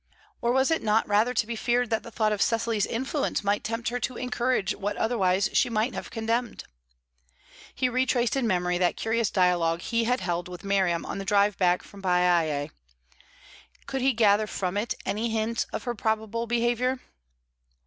Or was it not rather to be feared that the thought of Cecily's influence might tempt her to encourage what otherwise she must have condemned? He retraced in memory that curious dialogue he had held with Miriam on the drive back from Baiae; could he gather from it any hints of her probable behaviour?....